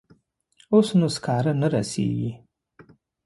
اوس نو سکاره نه رسیږي.